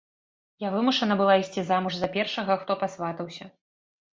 Я вымушана была ісці замуж за першага, хто пасватаўся.